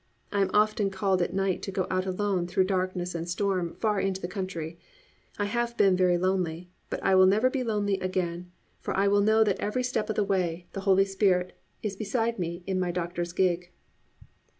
I am often called at night to go out alone through darkness and storm far into the country, and I have been very lonely, but I will never be lonely again, for I will know that every step of the way the Holy Spirit is beside me in my doctor's gig."